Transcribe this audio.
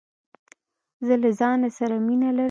زه له ځانه سره مینه لرم.